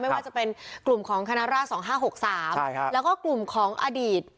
ไม่ว่าจะเป็นกลุ่มของคณะราช๒๕๖๓แล้วก็กลุ่มของอดีต